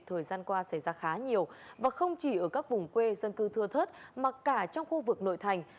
thời gian qua xảy ra khá nhiều và không chỉ ở các vùng quê dân cư thưa thớt mà cả trong khu vực nội thành